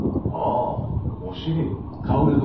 ああお尻。